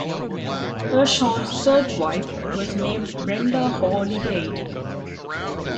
Hirshhorn's third wife was named Brenda Hawley Heide.